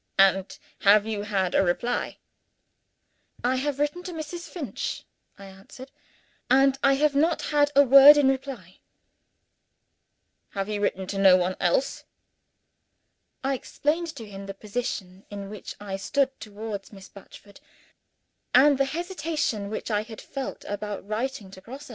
and have you had a reply?" "I have written to Mrs. Finch," I answered; "and I have not had a word in reply." "Have you written to no one else?" I explained to him the position in which I stood towards Miss Batchford, and the hesitation which I had felt about writing to Grosse.